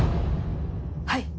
はい。